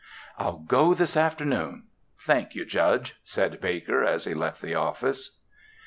"I'll go this afternoon. Thank you, Judge!" said Baker, as he left the office.